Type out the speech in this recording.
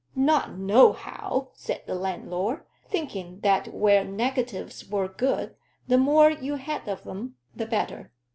"Not nohow," said the landlord, thinking that where negatives were good the more you had of them the better.